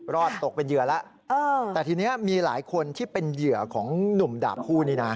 ตกเป็นเหยื่อแล้วแต่ทีนี้มีหลายคนที่เป็นเหยื่อของหนุ่มดาบคู่นี้นะ